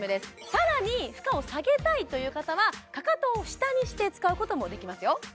さらに負荷を下げたいという方はかかとを下にして使うこともできますよ